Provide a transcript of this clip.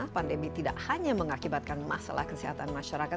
pandemi tidak hanya mengakibatkan masalah kesehatan masyarakat